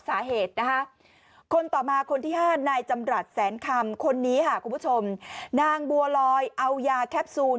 สาเหตุนะฮะคนต่อมาคนที่๕ในจำกรรดแสนคำคนนี้ค่ะคุณ